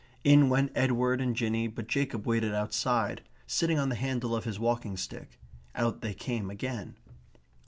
In went Edward and Jinny, but Jacob waited outside, sitting on the handle of his walking stick. Out they came again.